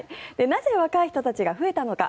なぜ若い人たちが増えたのか。